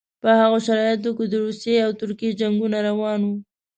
په هغو شرایطو کې د روسیې او ترکیې جنګونه روان وو.